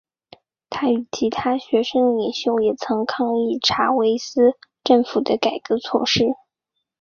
他与其他学生领袖也曾抗议查韦斯政府的改革措施。